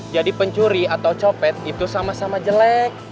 jadi pencuri atau copet itu sama sama jelek